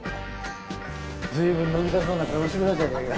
随分飲みたそうな顔してたじゃないか。